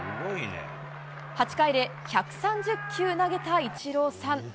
８回で１３０球投げたイチローさん。